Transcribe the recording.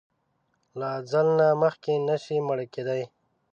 له اځل نه مخکې نه شې مړ کیدای!